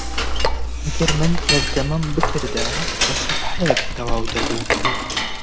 ئەگەر من تەرجەمەم بکردایە بە سەفحەیەک تەواو دەبوو